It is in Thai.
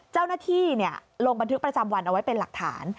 เจ้าหน้าที่ลงบันทึกประจำวันเอาไว้เป็นหลักฐาน